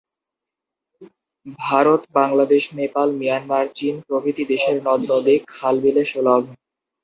Bharat, Bangladesh, Nepal, Myanmar, চীন, প্রভৃতি দেশের নদ-নদী, খাল-বিলে সুলভ।